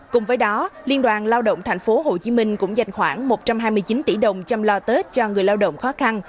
cùng với đó liên đoàn lao động thành phố hồ chí minh cũng dành khoảng một trăm hai mươi chín tỷ đồng chăm lo tết cho người lao động khó khăn